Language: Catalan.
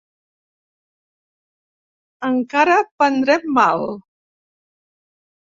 Encara prendrem mal!